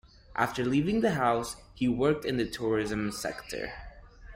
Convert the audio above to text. After leaving the house, he worked in the tourism sector.